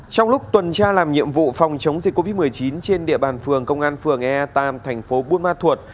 trong lúc tuần tra làm nhiệm vụ phòng chống dịch covid một mươi chín trên địa bàn phường công an phường ea ba tp buôn ma thuột